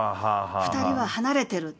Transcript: ２人は離れてる。